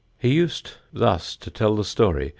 He used thus to tell the story.